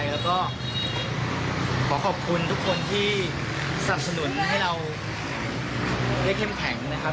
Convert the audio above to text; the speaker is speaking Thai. แล้วก็ขอขอบคุณทุกคนที่สนับสนุนให้เราได้เข้มแข็งนะครับ